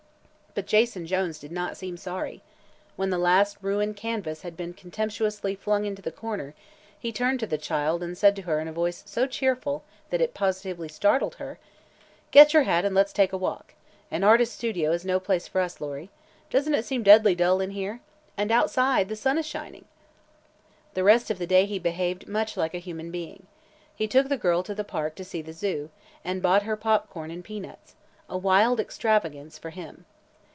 But Jason Jones did not seem sorry. When the last ruined canvas had been contemptuously flung into the corner he turned to the child and said to her in a voice so cheerful that it positively startled her: "Get your hat and let's take a walk. An artist's studio is no place for us, Lory. Doesn't it seem deadly dull in here? And outside the sun is shining!" The rest of the day he behaved much like a human being. He took the girl to the park to see the zoo, and bought her popcorn and peanuts a wild extravagance, for him.